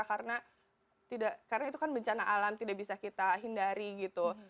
karena itu kan bencana alam tidak bisa kita hindari gitu